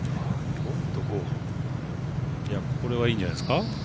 これはいいんじゃないですかね。